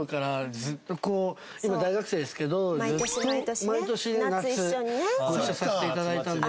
今大学生ですけどずっと毎年夏ご一緒させて頂いたので。